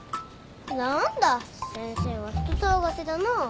何だ先生は人騒がせだな。